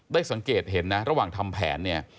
สังเกตเห็นนะระหว่างทำแผนเนี่ย